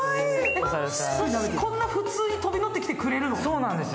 こんな普通に飛び乗ってきてくれるの？